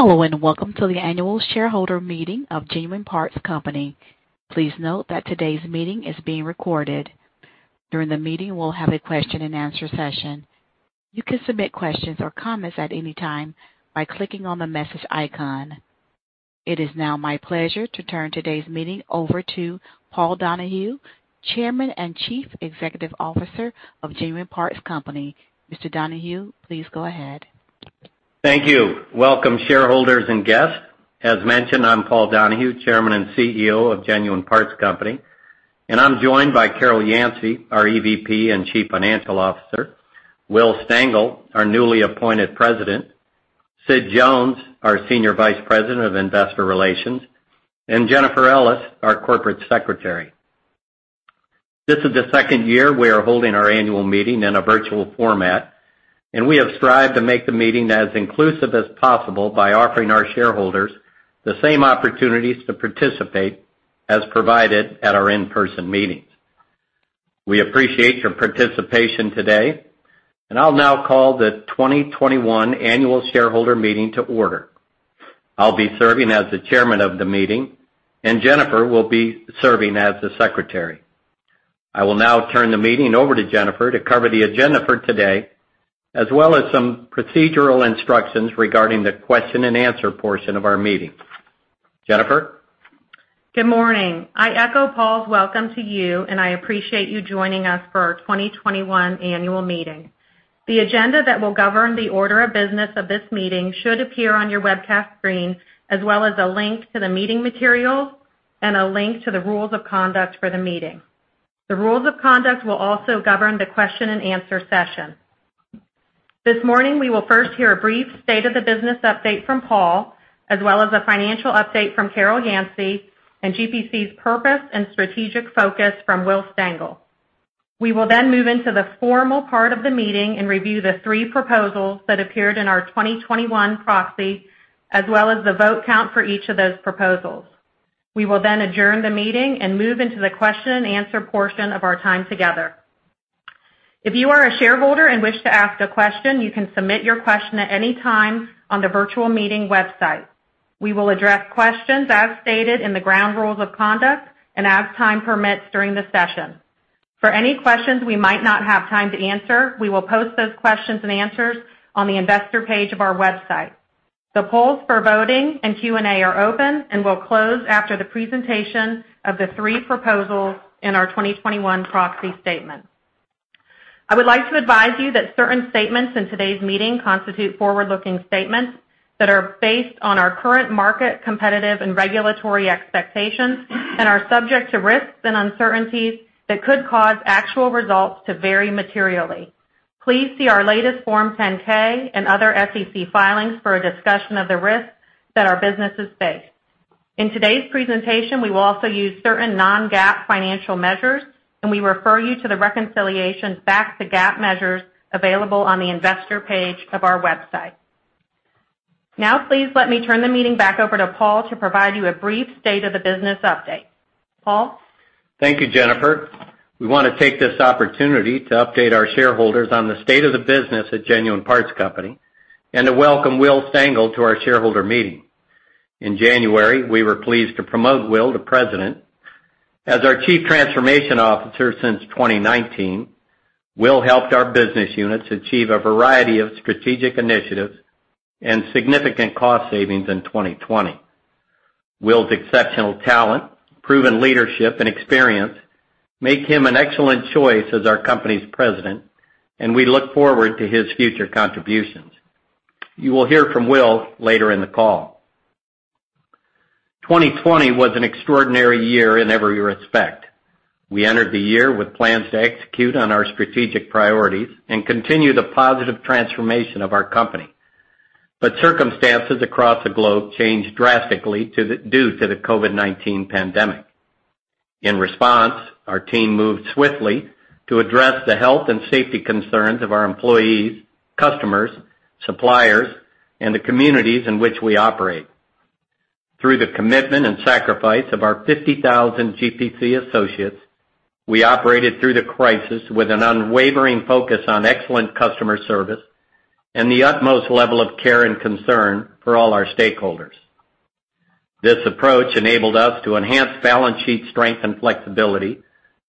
Hello, and welcome to the annual shareholder meeting of Genuine Parts Company. Please note that today's meeting is being recorded. During the meeting, we'll have a question and answer session. You can submit questions or comments at any time by clicking on the message icon. It is now my pleasure to turn today's meeting over to Paul Donahue, Chairman and Chief Executive Officer of Genuine Parts Company. Mr. Donahue, please go ahead. Thank you. Welcome, shareholders and guests. As mentioned, I'm Paul Donahue, Chairman and CEO of Genuine Parts Company, and I'm joined by Carol Yancey, our EVP and Chief Financial Officer, Will Stengel, our newly appointed President, Sid Jones, our Senior Vice President of Investor Relations, and Jennifer Ellis, our Corporate Secretary. This is the second year we are holding our annual meeting in a virtual format. We have strived to make the meeting as inclusive as possible by offering our shareholders the same opportunities to participate as provided at our in-person meetings. We appreciate your participation today. I'll now call the 2021 annual shareholder meeting to order. I'll be serving as the Chairman of the meeting. Jennifer will be serving as the Secretary. I will now turn the meeting over to Jennifer to cover the agenda for today, as well as some procedural instructions regarding the question and answer portion of our meeting. Jennifer? Good morning. I echo Paul's welcome to you, and I appreciate you joining us for our 2021 annual meeting. The agenda that will govern the order of business of this meeting should appear on your webcast screen, as well as a link to the meeting materials and a link to the rules of conduct for the meeting. The rules of conduct will also govern the question and answer session. This morning, we will first hear a brief state of the business update from Paul, as well as a financial update from Carol Yancey and GPC's purpose and strategic focus from Will Stengel. We will then move into the formal part of the meeting and review the three proposals that appeared in our 2021 proxy, as well as the vote count for each of those proposals. We will adjourn the meeting and move into the question and answer portion of our time together. If you are a shareholder and wish to ask a question, you can submit your question at any time on the virtual meeting website. We will address questions as stated in the ground rules of conduct and as time permits during the session. For any questions we might not have time to answer, we will post those questions and answers on the investor page of our website. The polls for voting and Q&A are open and will close after the presentation of the three proposals in our 2021 proxy statement. I would like to advise you that certain statements in today's meeting constitute forward-looking statements that are based on our current market competitive and regulatory expectations and are subject to risks and uncertainties that could cause actual results to vary materially. Please see our latest Form 10-K and other SEC filings for a discussion of the risks that our businesses face. We refer you to the reconciliations back to GAAP measures available on the investor page of our website. Please let me turn the meeting back over to Paul to provide you a brief state of the business update. Paul? Thank you, Jennifer. We want to take this opportunity to update our shareholders on the state of the business at Genuine Parts Company and to welcome Will Stengel to our shareholder meeting. In January, we were pleased to promote Will to President. As our Chief Transformation Officer since 2019, Will helped our business units achieve a variety of strategic initiatives and significant cost savings in 2020. Will's exceptional talent, proven leadership, and experience make him an excellent choice as our company's President, and we look forward to his future contributions. You will hear from Will later in the call. 2020 was an extraordinary year in every respect. We entered the year with plans to execute on our strategic priorities and continue the positive transformation of our company. Circumstances across the globe changed drastically due to the COVID-19 pandemic. In response, our team moved swiftly to address the health and safety concerns of our employees, customers, suppliers, and the communities in which we operate. Through the commitment and sacrifice of our 50,000 GPC associates, we operated through the crisis with an unwavering focus on excellent customer service and the utmost level of care and concern for all our stakeholders. This approach enabled us to enhance balance sheet strength and flexibility,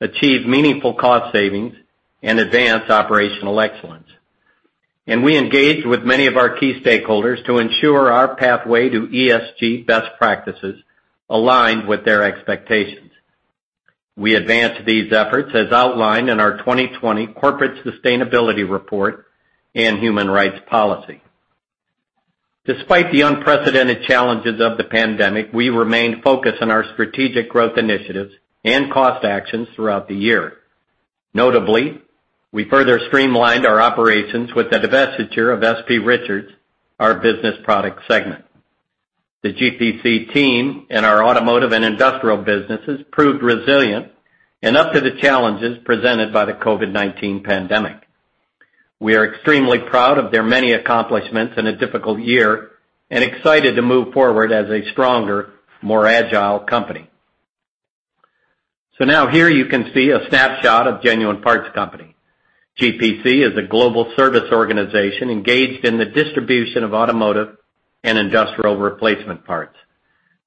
achieve meaningful cost savings, and advance operational excellence. We engaged with many of our key stakeholders to ensure our pathway to ESG best practices aligned with their expectations. We advanced these efforts as outlined in our 2020 Corporate Sustainability Report and Human Rights Policy. Despite the unprecedented challenges of the pandemic, we remained focused on our strategic growth initiatives and cost actions throughout the year. Notably, we further streamlined our operations with the divestiture of S.P. Richards, our business product segment. The GPC team and our automotive and industrial businesses proved resilient and up to the challenges presented by the COVID-19 pandemic. We are extremely proud of their many accomplishments in a difficult year and excited to move forward as a stronger, more agile company. Now here you can see a snapshot of Genuine Parts Company. GPC is a global service organization engaged in the distribution of automotive and industrial replacement parts.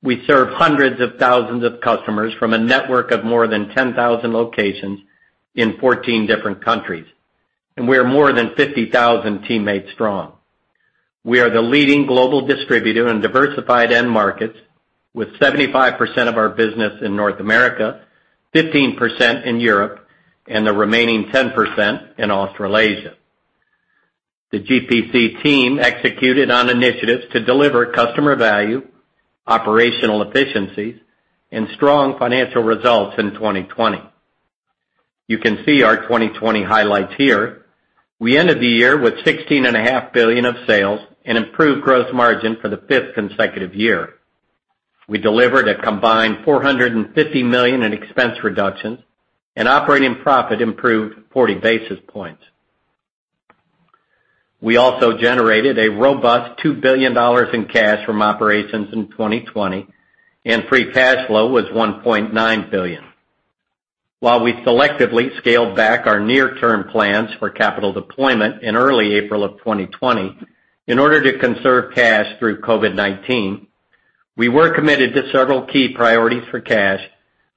We serve hundreds of thousands of customers from a network of more than 10,000 locations in 14 different countries, and we are more than 50,000 teammates strong. We are the leading global distributor in diversified end markets, with 75% of our business in North America, 15% in Europe, and the remaining 10% in Australasia. The GPC team executed on initiatives to deliver customer value, operational efficiencies, and strong financial results in 2020. You can see our 2020 highlights here. We ended the year with $16.5 billion of sales and improved gross margin for the fifth consecutive year. We delivered a combined $450 million in expense reductions, and operating profit improved 40 basis points. We also generated a robust $2 billion in cash from operations in 2020, and free cash flow was $1.9 billion. While we selectively scaled back our near-term plans for capital deployment in early April of 2020, in order to conserve cash through COVID-19, we were committed to several key priorities for cash,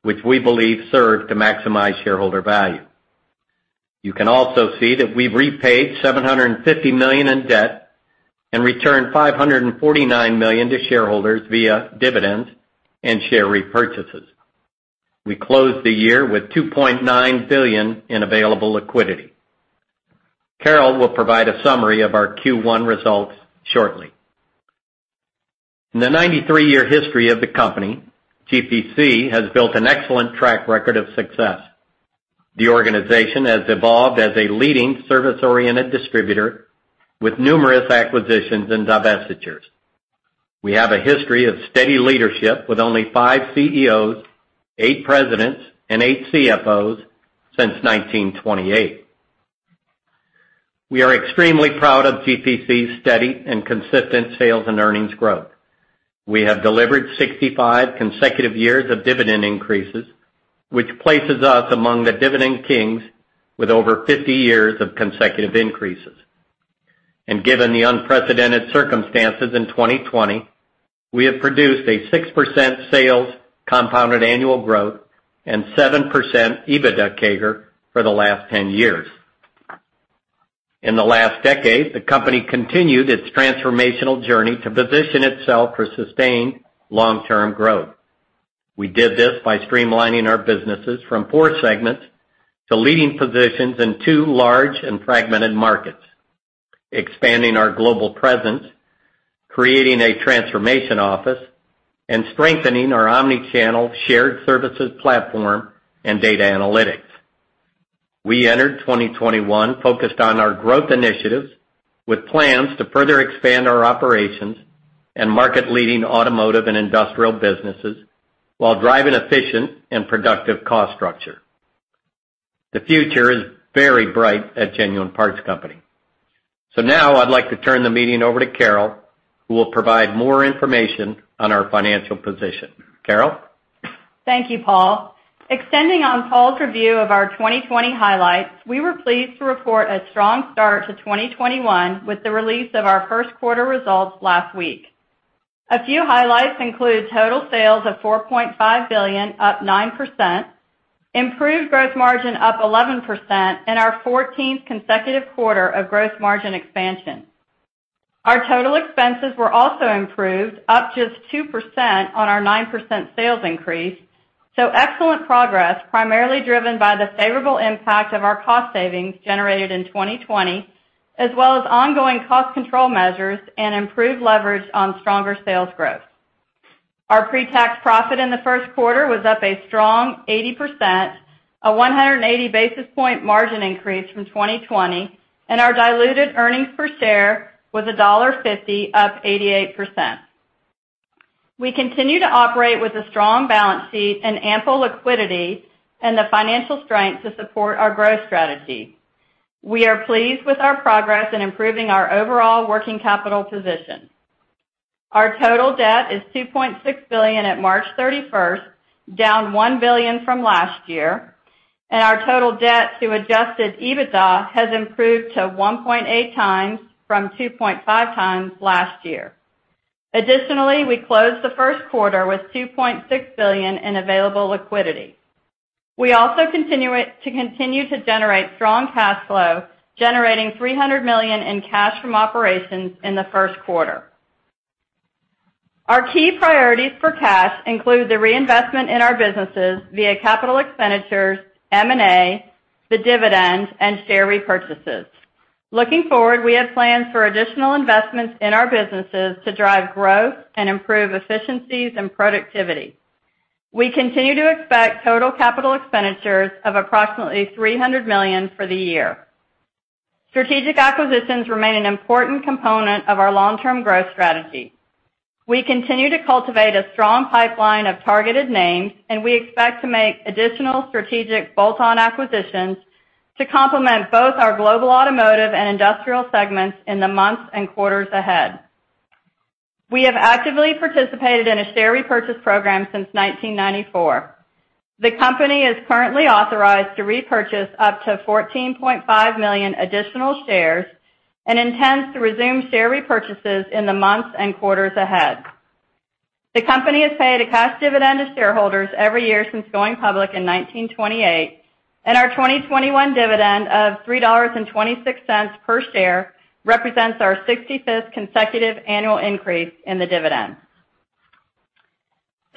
which we believe served to maximize shareholder value. You can also see that we've repaid $750 million in debt and returned $549 million to shareholders via dividends and share repurchases. We closed the year with $2.9 billion in available liquidity. Carol will provide a summary of our Q1 results shortly. In the 93-year history of the company, GPC has built an excellent track record of success. The organization has evolved as a leading service-oriented distributor with numerous acquisitions and divestitures. We have a history of steady leadership with only five CEOs, eight presidents, and eight CFOs since 1928. We are extremely proud of GPC's steady and consistent sales and earnings growth. We have delivered 65 consecutive years of dividend increases, which places us among the Dividend Kings with over 50 years of consecutive increases. Given the unprecedented circumstances in 2020, we have produced a 6% sales compounded annual growth and 7% EBITDA CAGR for the last 10 years. In the last decade, the company continued its transformational journey to position itself for sustained long-term growth. We did this by streamlining our businesses from four segments to leading positions in two large and fragmented markets, expanding our global presence, creating a transformation office, and strengthening our omni-channel shared services platform and data analytics. We entered 2021 focused on our growth initiatives with plans to further expand our operations and market-leading automotive and industrial businesses while driving efficient and productive cost structure. The future is very bright at Genuine Parts Company. Now I'd like to turn the meeting over to Carol, who will provide more information on our financial position. Carol? Thank you, Paul. Extending on Paul's review of our 2020 highlights, we were pleased to report a strong start to 2021 with the release of our first quarter results last week. A few highlights include total sales of $4.5 billion, up 9%, improved gross margin up 11%, and our 14th consecutive quarter of gross margin expansion. Our total expenses were also improved, up just 2% on our 9% sales increase, so excellent progress, primarily driven by the favorable impact of our cost savings generated in 2020, as well as ongoing cost control measures and improved leverage on stronger sales growth. Our pre-tax profit in the first quarter was up a strong 80%, a 180 basis point margin increase from 2020, and our diluted earnings per share was $1.50, up 88%. We continue to operate with a strong balance sheet and ample liquidity and the financial strength to support our growth strategy. We are pleased with our progress in improving our overall working capital position. Our total debt is $2.6 billion at March 31st, down $1 billion from last year, and our total debt to adjusted EBITDA has improved to 1.8x from 2.5x last year. Additionally, we closed the first quarter with $2.6 billion in available liquidity. We also continue to generate strong cash flow, generating $300 million in cash from operations in the first quarter. Our key priorities for cash include the reinvestment in our businesses via capital expenditures, M&A, the dividend, and share repurchases. Looking forward, we have plans for additional investments in our businesses to drive growth and improve efficiencies and productivity. We continue to expect total capital expenditures of approximately $300 million for the year. Strategic acquisitions remain an important component of our long-term growth strategy. We continue to cultivate a strong pipeline of targeted names, and we expect to make additional strategic bolt-on acquisitions to complement both our global automotive and industrial segments in the months and quarters ahead. We have actively participated in a share repurchase program since 1994. The company is currently authorized to repurchase up to 14.5 million additional shares and intends to resume share repurchases in the months and quarters ahead. The company has paid a cash dividend to shareholders every year since going public in 1928, and our 2021 dividend of $3.26 per share represents our 65th consecutive annual increase in the dividend.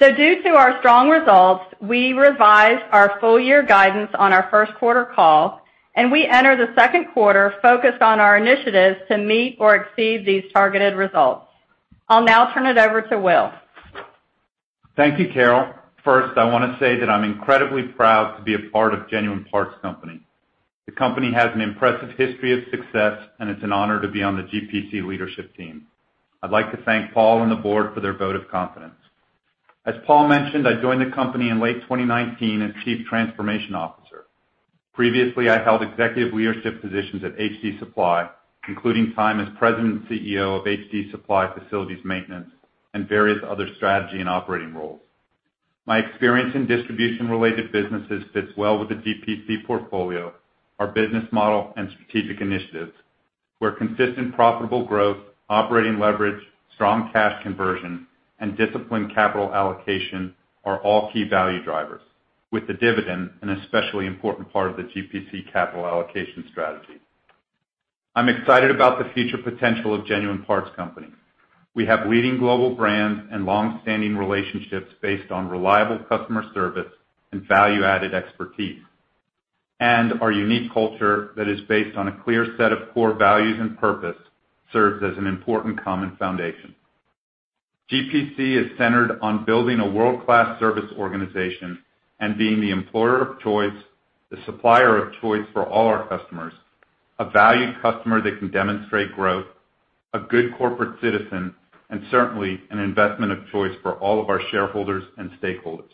Due to our strong results, we revised our full year guidance on our first quarter call, and we enter the second quarter focused on our initiatives to meet or exceed these targeted results. I'll now turn it over to Will. Thank you, Carol. First, I want to say that I'm incredibly proud to be a part of Genuine Parts Company. The company has an impressive history of success, and it's an honor to be on the GPC leadership team. I'd like to thank Paul and the board for their vote of confidence. As Paul mentioned, I joined the company in late 2019 as Chief Transformation Officer. Previously, I held executive leadership positions at HD Supply, including time as president and CEO of HD Supply Facilities Maintenance and various other strategy and operating roles. My experience in distribution-related businesses fits well with the GPC portfolio, our business model and strategic initiatives, where consistent profitable growth, operating leverage, strong cash conversion, and disciplined capital allocation are all key value drivers, with the dividend an especially important part of the GPC capital allocation strategy. I'm excited about the future potential of Genuine Parts Company. We have leading global brands and longstanding relationships based on reliable customer service and value-added expertise. Our unique culture that is based on a clear set of core values and purpose serves as an important common foundation. GPC is centered on building a world-class service organization and being the employer of choice, the supplier of choice for all our customers, a valued customer that can demonstrate growth, a good corporate citizen, and certainly an investment of choice for all of our shareholders and stakeholders.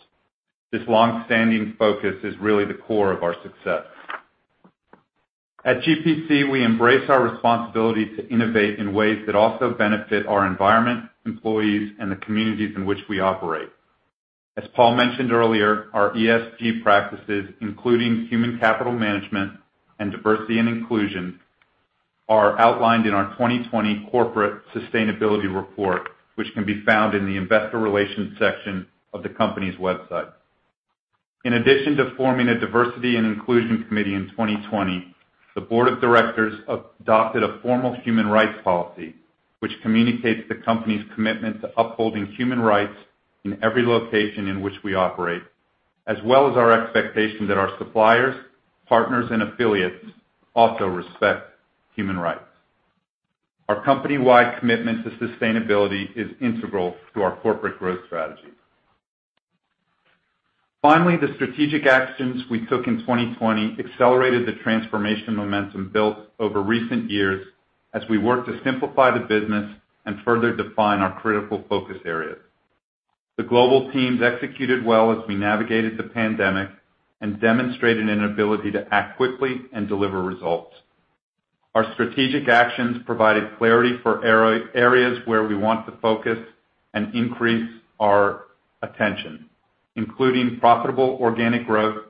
This longstanding focus is really the core of our success. At GPC, we embrace our responsibility to innovate in ways that also benefit our environment, employees, and the communities in which we operate. As Paul mentioned earlier, our ESG practices, including human capital management and diversity and inclusion, are outlined in our 2020 Corporate Sustainability Report, which can be found in the investor relations section of the company's website. In addition to forming a Diversity and Inclusion Committee in 2020, the Board of Directors adopted a formal Human Rights Policy which communicates the company's commitment to upholding human rights in every location in which we operate, as well as our expectation that our suppliers, partners, and affiliates also respect human rights. Our company-wide commitment to sustainability is integral to our corporate growth strategy. Finally, the strategic actions we took in 2020 accelerated the transformation momentum built over recent years as we work to simplify the business and further define our critical focus areas. The global teams executed well as we navigated the pandemic and demonstrated an ability to act quickly and deliver results. Our strategic actions provided clarity for areas where we want to focus and increase our attention, including profitable organic growth,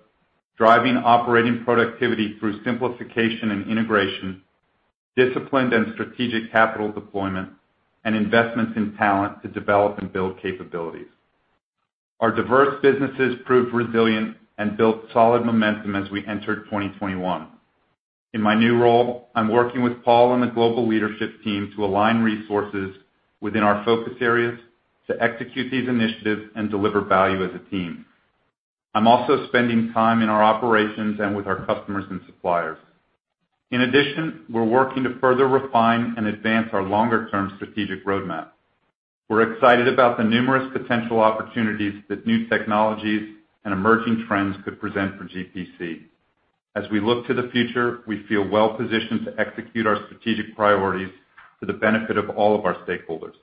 driving operating productivity through simplification and integration, disciplined and strategic capital deployment, and investments in talent to develop and build capabilities. Our diverse businesses proved resilient and built solid momentum as we entered 2021. In my new role, I'm working with Paul and the global leadership team to align resources within our focus areas to execute these initiatives and deliver value as a team. I'm also spending time in our operations and with our customers and suppliers. In addition, we're working to further refine and advance our longer-term strategic roadmap. We're excited about the numerous potential opportunities that new technologies and emerging trends could present for GPC. As we look to the future, we feel well-positioned to execute our strategic priorities for the benefit of all of our stakeholders.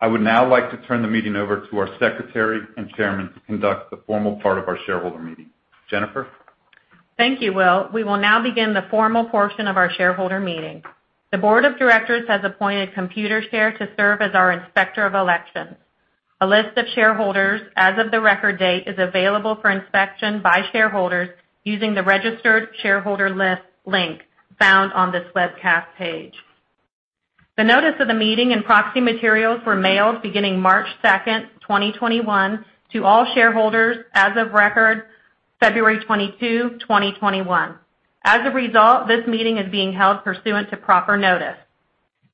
I would now like to turn the meeting over to our Secretary and Chairman to conduct the formal part of our shareholder meeting. Jennifer? Thank you, Will. We will now begin the formal portion of our shareholder meeting. The board of directors has appointed Computershare to serve as our inspector of elections. A list of shareholders as of the record date is available for inspection by shareholders using the registered shareholder list link found on this webcast page. The notice of the meeting and proxy materials were mailed beginning March 2nd, 2021 to all shareholders as of record February 22, 2021. This meeting is being held pursuant to proper notice.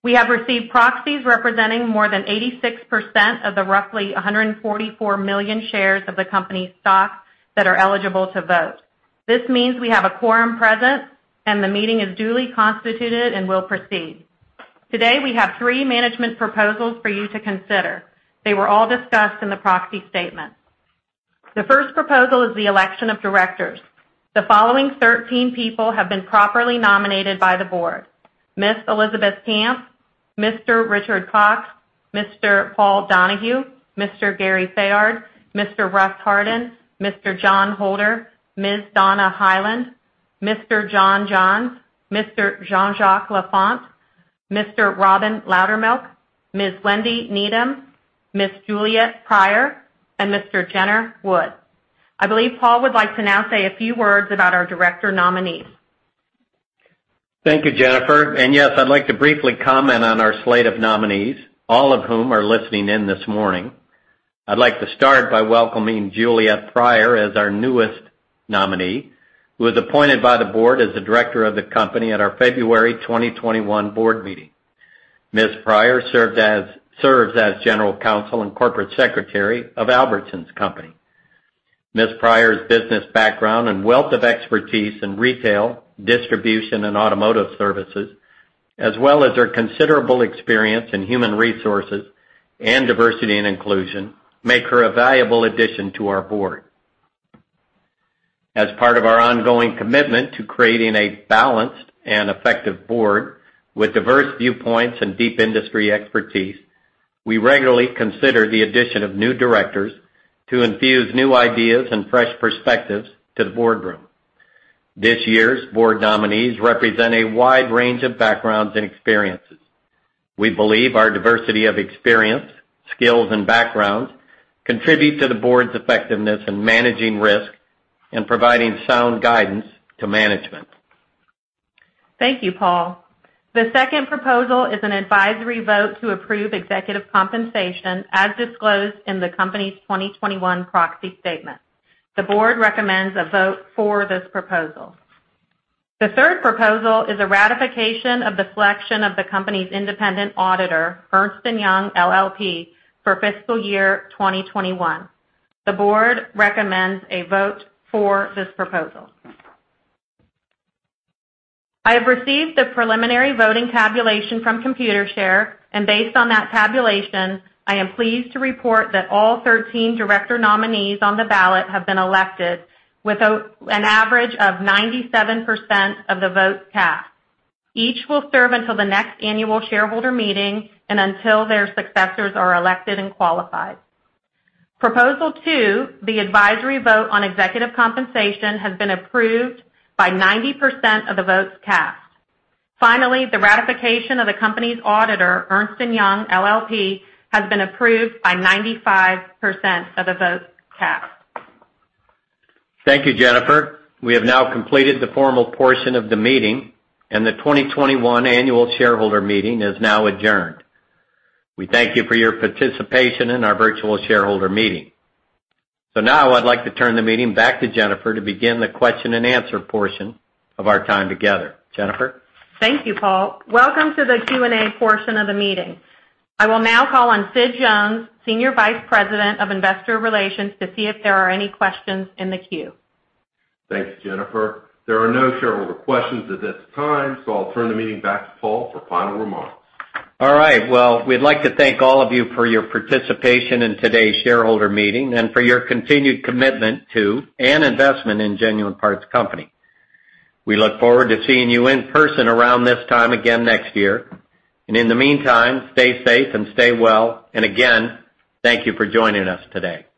We have received proxies representing more than 86% of the roughly 144 million shares of the company's stock that are eligible to vote. This means we have a quorum present, and the meeting is duly constituted and will proceed. Today, we have three management proposals for you to consider. They were all discussed in the proxy statement. The first proposal is the election of directors. The following 13 people have been properly nominated by the board. Ms. Elizabeth Camp, Mr. Richard Cox, Mr. Paul Donahue, Mr. Gary Fayard, Mr. Russ Hardin, Mr. John Holder, Ms. Donna Hyland, Mr. John Johns, Mr. Jean-Jacques Lafont, Mr. Robin Loudermilk, Ms. Wendy Needham, Ms. Juliette Pryor, and Mr. Jenner Wood. I believe Paul would like to now say a few words about our director nominees. Thank you, Jennifer. Yes, I'd like to briefly comment on our slate of nominees, all of whom are listening in this morning. I'd like to start by welcoming Juliette Pryor as our newest nominee, who was appointed by the board as the director of the company at our February 2021 board meeting. Ms. Pryor serves as General Counsel and Corporate Secretary of Albertsons Companies. Ms. Pryor's business background and wealth of expertise in retail, distribution, and automotive services, as well as her considerable experience in human resources and diversity and inclusion, make her a valuable addition to our board. As part of our ongoing commitment to creating a balanced and effective board with diverse viewpoints and deep industry expertise, we regularly consider the addition of new directors to infuse new ideas and fresh perspectives to the boardroom. This year's board nominees represent a wide range of backgrounds and experiences. We believe our diversity of experience, skills, and backgrounds contribute to the board's effectiveness in managing risk and providing sound guidance to management. Thank you, Paul. The second proposal is an advisory vote to approve executive compensation as disclosed in the company's 2021 proxy statement. The board recommends a vote for this proposal. The third proposal is a ratification of the selection of the company's independent auditor, Ernst & Young LLP, for fiscal year 2021. The board recommends a vote for this proposal. I have received the preliminary voting tabulation from Computershare, and based on that tabulation, I am pleased to report that all 13 director nominees on the ballot have been elected with an average of 97% of the votes cast. Each will serve until the next annual shareholder meeting and until their successors are elected and qualified. Proposal two, the advisory vote on executive compensation, has been approved by 90% of the votes cast. The ratification of the company's auditor, Ernst & Young LLP, has been approved by 95% of the votes cast. Thank you, Jennifer. We have now completed the formal portion of the meeting, and the 2021 annual shareholder meeting is now adjourned. We thank you for your participation in our virtual shareholder meeting. Now I'd like to turn the meeting back to Jennifer to begin the question and answer portion of our time together. Jennifer? Thank you, Paul. Welcome to the Q&A portion of the meeting. I will now call on Sid Jones, Senior Vice President of Investor Relations, to see if there are any questions in the queue. Thanks, Jennifer. There are no shareholder questions at this time, so I'll turn the meeting back to Paul for final remarks. All right. Well, we'd like to thank all of you for your participation in today's shareholder meeting and for your continued commitment to and investment in Genuine Parts Company. We look forward to seeing you in person around this time again next year. In the meantime, stay safe and stay well, and again, thank you for joining us today.